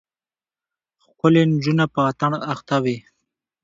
ښکلې نجونه په اتڼ اخته وې.